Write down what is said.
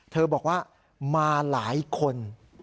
บอกว่ามาหลายคน